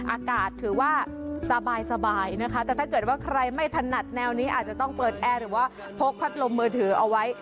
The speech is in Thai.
อากาศถือว่าสบายนะคะแต่ถ้าเกิดว่าใครไม่ถนัดแนวนี้อาจจะต้องเปิดแอร์หรือว่าพกพัดลมมือถือเอาไว้